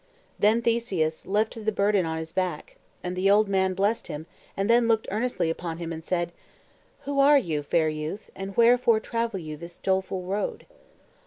Then Theseus lifted the burden on his back. And the old man blessed him, and then looked earnestly upon him, and said: "Who are you, fair youth, and wherefore travel you this doleful road?"